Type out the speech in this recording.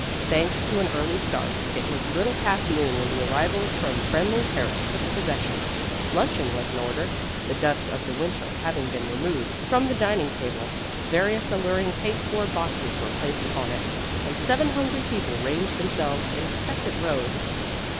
Thanks to an early start, it was little past noon when the arrivals from Friendly Terrace took possession. Luncheon was first in order. The dust of the winter having been removed from the dining table, various alluring pasteboard boxes were placed upon it, and seven hungry people ranged themselves in expectant rows.